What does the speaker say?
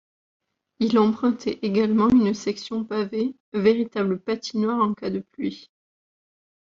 Il empruntait également une section pavée, véritable patinoire en cas de pluie.